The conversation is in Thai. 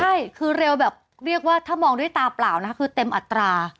ใช่คือเร็วแบบเรียกว่าถ้ามองด้วยตาเปล่านะคะคือเต็มอัตรา